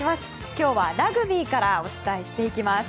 今日はラグビーからお伝えします。